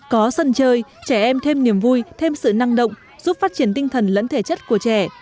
có sân chơi trẻ em thêm niềm vui thêm sự năng động giúp phát triển tinh thần lẫn thể chất của trẻ